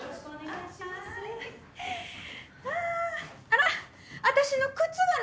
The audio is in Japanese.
あら？